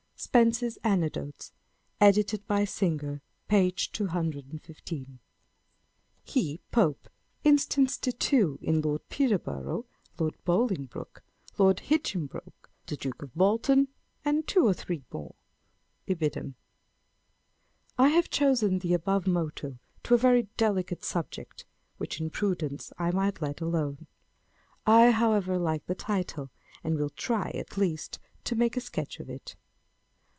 â€" [Spexce's Anecdotes, edit. Singer, p. 215.] He [Pope] instanced it too in Lord Peterborough, Lord Boling broke, Lord Hinehinbroke, the Duke of Bolton, and two or three more. â€" Ibid. I have chosen the above motto to a very delicate subject, which in prudence I might let alone. I, however, like the title ; and will try, at least, to make a sketch of it.